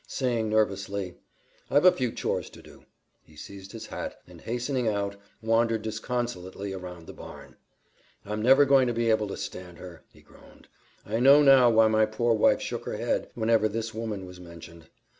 Saying nervously, "I've a few chores to do," he seized his hat, and hastening out, wandered disconsolately around the barn. "I'm never going to be able to stand her," he groaned. "I know now why my poor wife shook her head whenever this woman was mentioned.